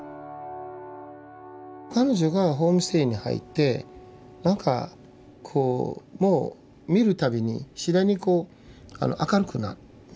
彼女がホームステイに入ってなんかこうもう見る度に次第にこう明るくなってきたんですよね。